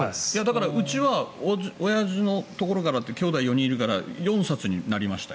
うちはおやじのところから兄弟４人いるから４冊になりました。